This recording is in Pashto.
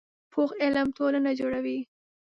پوخ علم ټولنه جوړوي